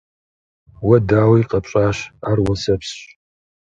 Уэ, дауи, къэпщӀащ — ар уэсэпсщ.